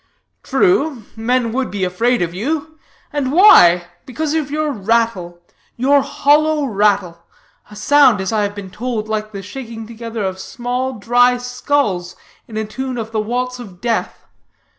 "True, men would be afraid of you. And why? Because of your rattle, your hollow rattle a sound, as I have been told, like the shaking together of small, dry skulls in a tune of the Waltz of Death.